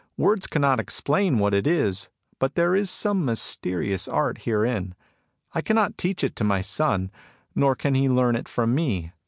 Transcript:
Words cannot explain what it is, but there is some mysterious art herein. I cannot teach it to my son ; nor can he learn it from me.